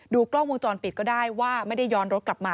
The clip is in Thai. กล้องวงจรปิดก็ได้ว่าไม่ได้ย้อนรถกลับมา